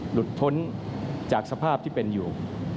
หลุดพ้นจากสภาพที่เป็นอยู่